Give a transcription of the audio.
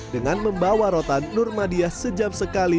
dengan membawa rotan nurmadiah sejam sekali